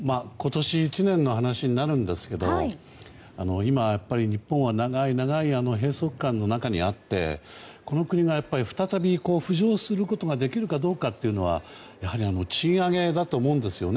今年１年の話になるんですが今、日本は長い閉塞感の中にあってこの国が再び浮上することができるかどうかというのは賃上げだと思うんですよね。